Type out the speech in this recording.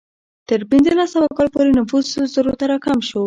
تر پنځلس سوه کال پورې نفوس سل زرو ته راکم شو.